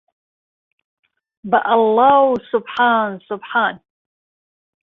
به ئهڵڵا و سوبحان سوبحان